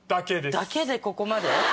だけでここまで？